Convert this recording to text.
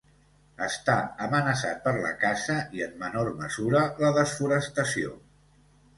Està amenaçat per la caça i, en menor mesura, la desforestació.